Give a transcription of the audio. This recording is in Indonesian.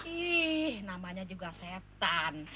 ih namanya juga setan